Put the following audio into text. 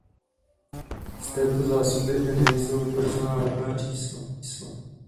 Z této zásoby entropie jsou vytvořena náhodná čísla.